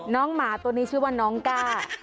หมาตัวนี้ชื่อว่าน้องก้า